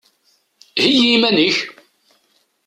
Heyyi iman-ik!